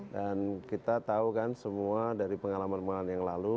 dan kita tahu kan semua dari pengalaman pengalaman yang lalu